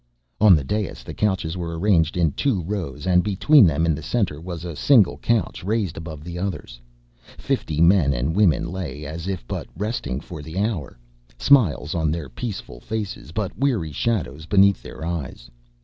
On the dais the couches were arranged in two rows and between them, in the center, was a single couch raised above the others. Fifty men and women lay as if but resting for the hour, smiles on their peaceful faces but weary shadows beneath their eyes.